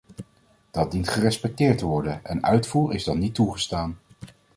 Dat dient gerespecteerd te worden en uitvoer is dan niet toegestaan.